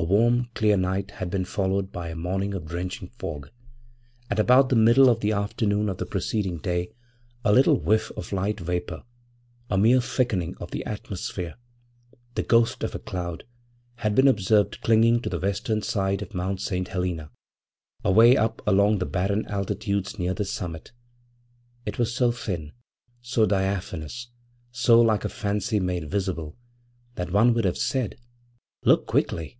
IVA warm, clear night had been followed by a morning of drenching fog. At about the middle of the afternoon of the preceding day a little whiff of light vapour a mere thickening of the atmosphere, the ghost of a cloud had been observed clinging to the western side of Mount St. Helena, away up along the barren altitudes near the summit. It was so thin, so diaphanous, so like a fancy made visible, that one would have said: 'Look quickly!